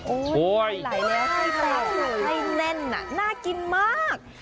โอ้ยหลายใส่แน่นน่ากินมาก